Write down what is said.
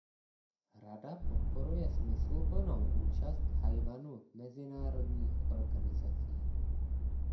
Rada podporuje smysluplnou účast Tchaj-wanu v mezinárodních organizacích.